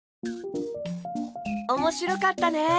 おもしろかったね！